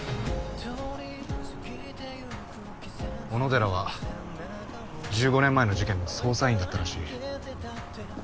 小野寺は１５年前の事件の捜査員だったらしい。